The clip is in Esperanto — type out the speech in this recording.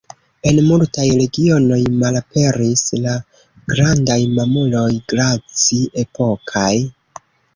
En multaj regionoj malaperis la grandaj mamuloj glaci-epokaj.